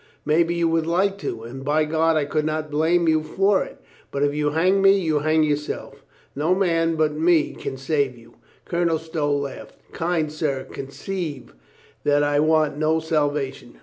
Maybe you would like to, and by God, I could not blame you for it. But if you hang me, you hang yourself. No man but me can save you." Colonel Stow Laughed. "Kind sir, conceive that I want no salvation."